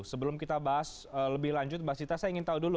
sebelum kita bahas lebih lanjut mbak sita saya ingin tahu dulu